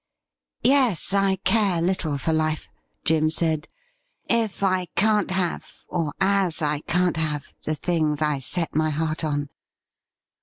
' Yes, I care little for life,' Jim said, ' if I can't have, or as I can't have, the things I set my heart on.